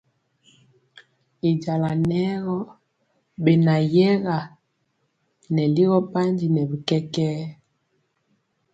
Y jala nɛ gɔ benayɛga nɛ ligɔ bandi nɛ bi kɛkɛɛ.